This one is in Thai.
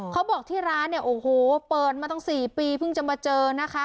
เขาบอกที่ร้านเนี่ยโอ้โหเปิดมาตั้ง๔ปีเพิ่งจะมาเจอนะคะ